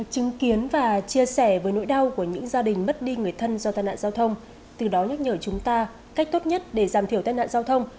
chứng kiến và chia sẻ với nỗi đau của những gia đình mất đi người thân do tai nạn giao thông từ đó nhắc nhở chúng ta cách tốt nhất để giảm thiểu tai nạn giao thông